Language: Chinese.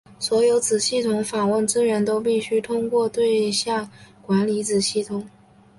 所有子系统访问资源都必须通过对象管理子系统。